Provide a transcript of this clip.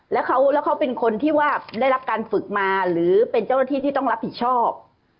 แล้วเขาเป็นคนที่ว่าได้รับการฝึกมาหรือเป็นเจ้าหน้าที่ที่ต้องรับผิดชอบ